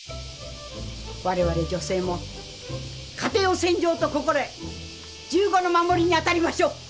我々女性も家庭を戦場と心得銃後の守りにあたりましょう！